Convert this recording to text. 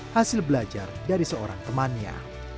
hasil belajar dari seorang temannya